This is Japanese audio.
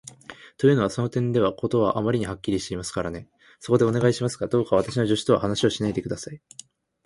というのは、その点では事はあまりにはっきりしていますからね。そこで、お願いしますが、どうか私の助手とは話をしないで下さい。